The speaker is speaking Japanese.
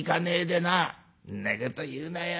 「んなこと言うなよ。